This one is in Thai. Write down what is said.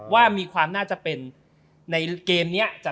ว่ามีความน่าจะเป็นในเกมักษณะอย่างไร